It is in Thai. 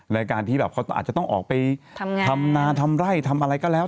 ในการที่เขาอาจจะต้องออกไปทำงานทำไร่ทำอะไรก็แล้ว